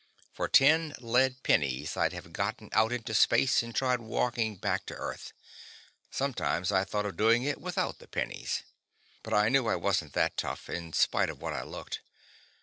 For ten lead pennies, I'd have gotten out into space and tried walking back to Earth. Sometimes I thought about doing it without the pennies. But I knew I wasn't that tough, in spite of what I looked.